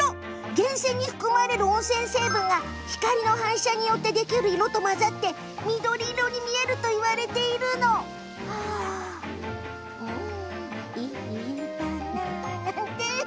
源泉に含まれる温泉成分が光の反射によってできる色と混ざって緑色に見えるといわれています。